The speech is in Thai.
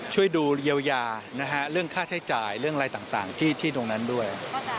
ช่วยดูเยียวยานะฮะเรื่องค่าใช้จ่ายเรื่องอะไรต่างที่ตรงนั้นด้วย